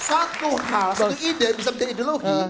satu ide bisa menjadi ideologi